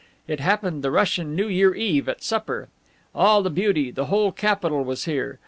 It happened the Russian New Year Eve, at supper. All the beauty, the whole capital, was here.